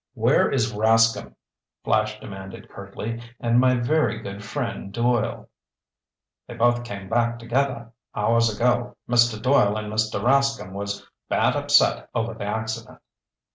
"Where is Rascomb?" Flash demanded curtly. "And my very good friend, Doyle?" "They both came back together hours ago. Mr. Doyle and Mr. Rascomb was bad upset over the accident."